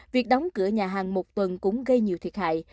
việc đóng cửa nhà hàng một tuần cũng gây nhiều thiệt hại